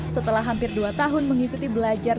setelah hampir dua tahun mengikuti belajar